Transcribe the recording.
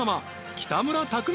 北村匠海